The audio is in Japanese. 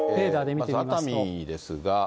まず熱海ですが。